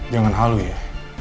jangan halui ya